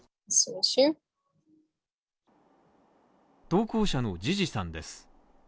投稿者のジジさんです。